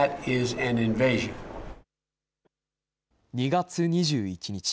２月２１日。